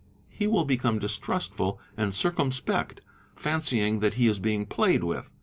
He will become distrustful and circumspect, fancying that he is being played with.